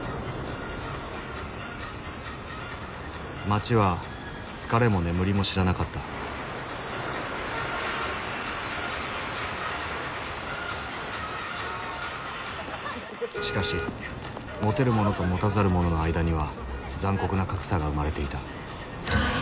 街は疲れも眠りも知らなかったしかし持てる者と持たざる者の間には残酷な格差が生まれていた。